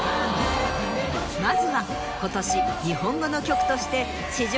まずは今年日本語の曲として史上